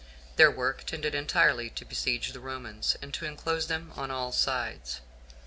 Their work tended entirely to besiege the Romans, and to enclose them on all sides.